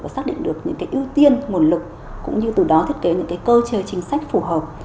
và xác định được những ưu tiên nguồn lực cũng như từ đó thiết kế những cái cơ chế chính sách phù hợp